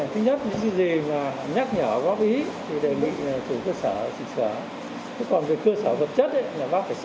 cũng có đề nghị là thứ nhất những gì mà nhắc nhở góp ý thì đề nghị là chủ cơ sở xịt sở